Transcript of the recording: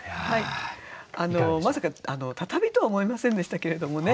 まさか畳とは思いませんでしたけれどもね。